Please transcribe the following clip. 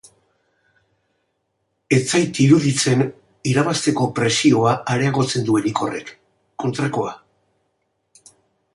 Ez zait iruditzen irabazteko presioa areagotzen duenik horrek, kontrakoa.